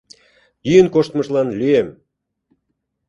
Йӱын коштмыжлан лӱем!..